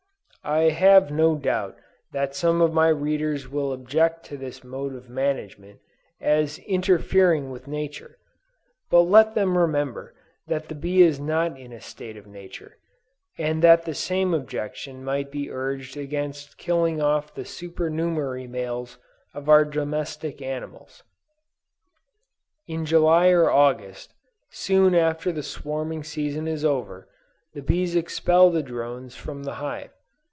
I have no doubt that some of my readers will object to this mode of management as interfering with nature: but let them remember that the bee is not in a state of nature, and that the same objection might be urged against killing off the super numerary males of our domestic animals. In July or August, soon after the swarming season is over, the bees expel the drones from the hive.